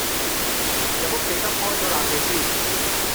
入屋記得開咗冷氣先